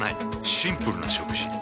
シンプルな食事。